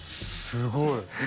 すごい。